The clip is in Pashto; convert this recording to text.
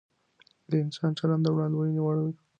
د انسانانو چلند د وړاندوينې وړ وي.